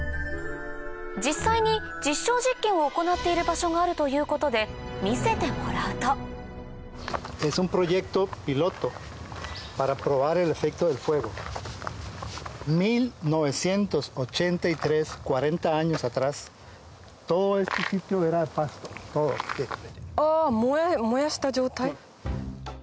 実際に実証実験を行っている場所があるということで見せてもらうと燃やした状態？